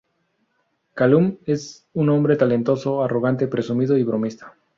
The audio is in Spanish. Calum es un hombre talentoso, arrogante, presumido y bromista.